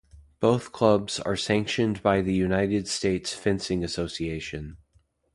Both clubs are sanctioned by the United States Fencing Association.